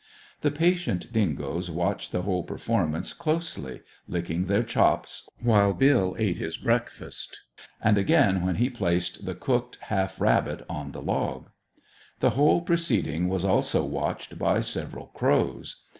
The patient dingoes watched the whole performance closely, licking their chops while Bill ate his breakfast, and again when he placed the cooked half rabbit on the log. The whole proceeding was also watched by several crows.